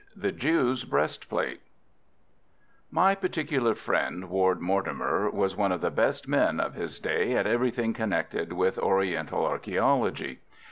THE JEW'S BREASTPLATE My particular friend Ward Mortimer was one of the best men of his day at everything connected with Oriental archæology.